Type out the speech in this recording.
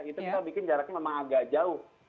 itu kita bikin jaraknya memang agak jauh